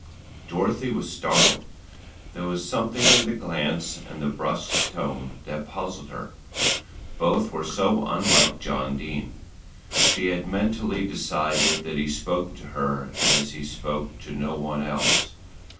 Dorothy was startled. There was something in the glance and the brusque tone that puzzled her. Both were so unlike John Dene. She had mentally decided that he spoke to her as he spoke to no one else.